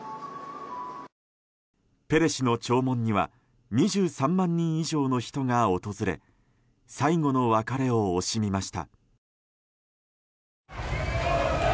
ペレ氏の弔問には２３万人以上の人が訪れ最後の別れを惜しみました。